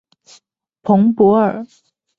蓬波尔。